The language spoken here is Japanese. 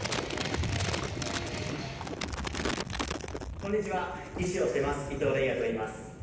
こんにちは医師をしています伊藤玲哉といいます。